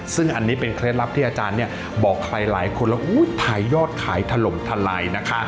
ซึ่งอันนี้เป็นเคล็ดลับที่อาจารย์บอกใครหลายคนแล้วถ่ายยอดขายถล่มทลายนะคะ